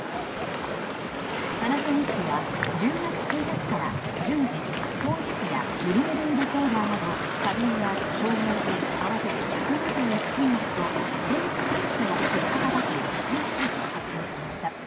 パナソニックは１０月１日から順次掃除機やブルーレイレコーダーなど家電や消耗品合わせて１２１品目と電池各種の出荷価格を引き上げると発表しました。